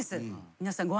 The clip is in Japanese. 皆さん。